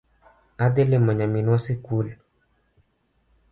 Adhi limo nyaminwa sikul